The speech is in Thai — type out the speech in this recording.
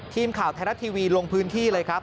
ทีมข่าวไทยรัฐทีวีลงพื้นที่เลยครับ